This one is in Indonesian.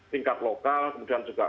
tingkat lokal kemudian juga